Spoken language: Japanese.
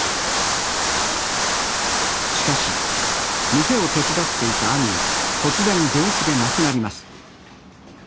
しかし店を手伝っていた兄が突然病気で亡くなります。